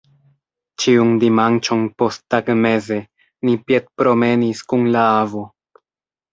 Ĉiun dimanĉon posttagmeze ni piedpromenis kun la avo.